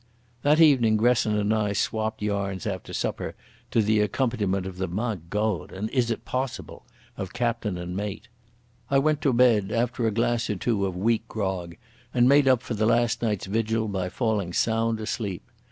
That evening Gresson and I swopped yarns after supper to the accompaniment of the "Ma Goad!" and "Is't possible?" of captain and mate. I went to bed after a glass or two of weak grog, and made up for the last night's vigil by falling sound asleep.